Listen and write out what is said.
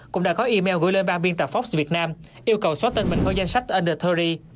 cũng đã có email gửi lên ban biên tập forbes việt nam yêu cầu xóa tên mình khỏi danh sách under ba mươi